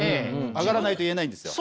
上がらないと言えないんですよ。